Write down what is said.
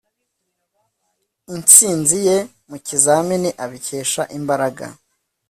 intsinzi ye mu kizamini abikesha imbaraga